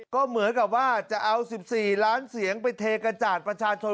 ก็เหมือนกับว่าจะเอา๑๔ล้านเสียงไปเทกระจาดประชาชน